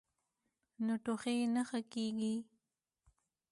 نو ټوخی نۀ ښۀ کيږي -